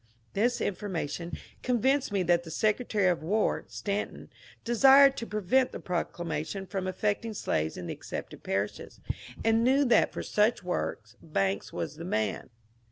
This information convinced me that the Secre 376 MONCURE DANIEL CONWAY tary of War (Stanton) desired to prevent the proclamation from affecting slaves in the excepted parishes, and knew that for such work Banks was the man.